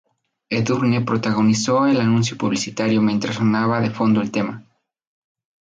Edurne protagonizó el anuncio publicitario mientras sonaba de fondo el tema.